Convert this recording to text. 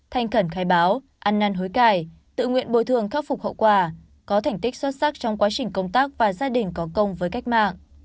thanh khẩn khai báo ăn năn hối cải tự nguyện bồi thường khắc phục hậu quả có thành tích xuất sắc trong quá trình công tác và gia đình có công với cách mạng